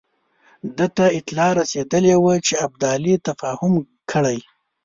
ده ته اطلاع رسېدلې وه چې ابدالي تفاهم کړی.